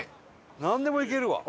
なんでもいけるわ。